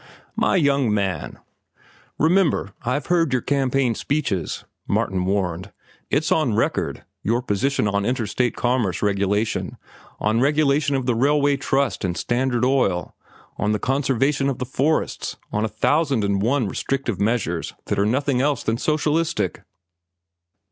"My young man—" "Remember, I've heard your campaign speeches," Martin warned. "It's on record, your position on interstate commerce regulation, on regulation of the railway trust and Standard Oil, on the conservation of the forests, on a thousand and one restrictive measures that are nothing else than socialistic."